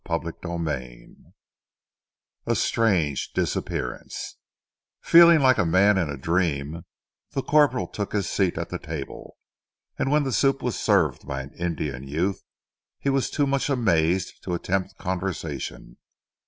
CHAPTER II A STRANGE DISAPPEARANCE FEELING like a man in a dream, the corporal took his seat at the table, and when the soup was served by an Indian youth, he was too much amazed to attempt conversation.